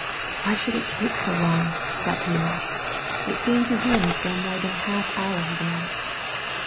" Why should it take so long ?" thought Pierre. It seemed to him as though more than a half hour had elapsed.